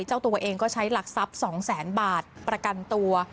เจ้าตัวเองก็ใช้หลักทรัพย์๒แสนบาทประกันตัว